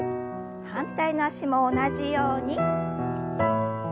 反対の脚も同じように。